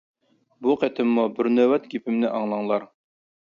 بۇ قېتىممۇ بىر نۆۋەت گېپىمنى ئاڭلاڭلار.